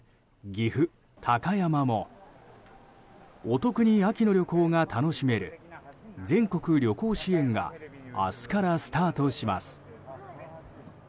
岐阜・高山もお得に秋の旅行が楽しめる全国旅行支援が明日からスタートします。